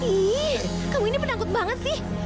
ih kamu ini penangkut banget sih